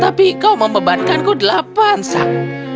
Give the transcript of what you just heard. tapi kau membebankanku delapan sang